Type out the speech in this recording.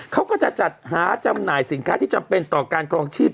เขาก็จะจัดหาจำหน่ายสินค้าที่จำเป็นต่อการครองชีพ